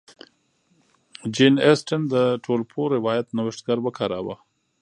جین اسټن د ټولپوه روایت نوښتګر وکاراوه.